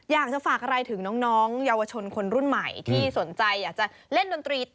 อยากจะฝากอะไรถึงน้องเยาวชนคนรุ่นใหม่ที่สนใจอยากจะเล่นดนตรี